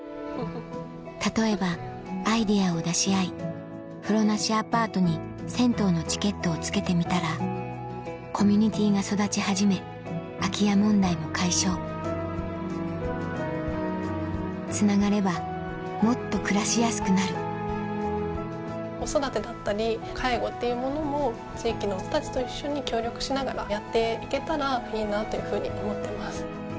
例えばアイデアを出し合い風呂なしアパートに銭湯のチケットを付けてみたらコミュニティーが育ち始め空き家問題も解消つながればもっと暮らしやすくなる子育てだったり介護っていうものも地域の人たちと一緒に協力しながらやって行けたらいいなというふうに思ってます。